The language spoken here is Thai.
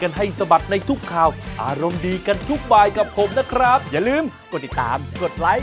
เธอไม่อินกับผู้ชายแบบบอย